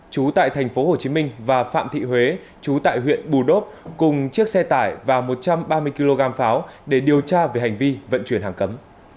chú tại thành phố hồ chí minh và phạm thị huế chú tại huyện bù đốp cùng chiếc xe tải và một trăm ba mươi kg pháo để điều tra về hành vi vận chuyển hàng cấm